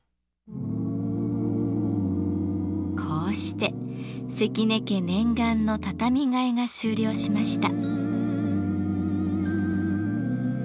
こうして関根家念願の畳替えが終了しました。